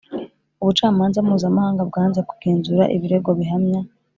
ubucamanza mpuzamahanga bwanze kugenzura ibirego bihamya